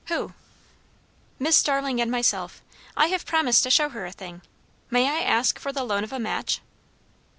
"Who?" "Miss Starling and myself. I have promised to show her a thing. May I ask for the loan of a match?"